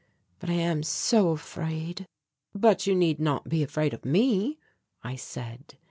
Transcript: But I am so afraid." "But you need not be afraid of me," I said.